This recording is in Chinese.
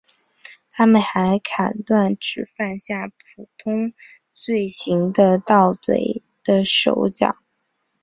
他们还砍断只犯下普通罪行的盗贼的手脚。